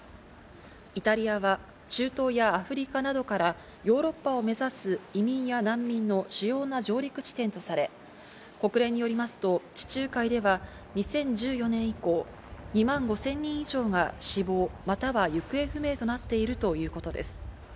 イタリアは中東やアフリカなどからヨーロッパを目指す移民や難民の主要な上陸地点とされ、国連によりますと、地中海では２０１４年以降、２万５０００人以上が死亡、または行方不明となっているということです。